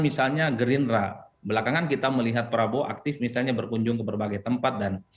misalnya gerindra belakangan kita melihat prabowo aktif misalnya berkunjung ke berbagai tempat dan